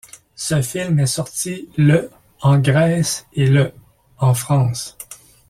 Ce film est sorti le en Grèce et le en France.